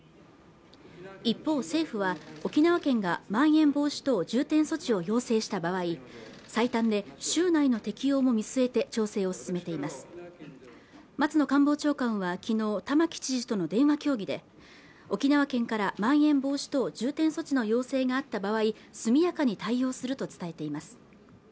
一方政府は沖縄県がまん延防止等重点措置を要請した場合最短で週内の適用も見据えて調整を進めています松野官房長官はきのう玉城知事との電話協議で沖縄県からまん延防止等重点措置の要請があった場合速やかに対応すると伝えています